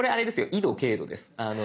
緯度・経度です。